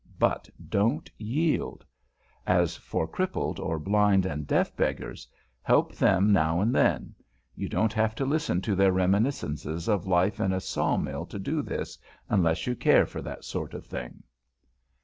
But don't yield. As for crippled or blind and deaf beggars, help them now and then. You don't have to listen to their reminiscences of Life in a Saw mill to do this, unless you care for that sort of thing.